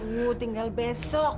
tidak tinggal besok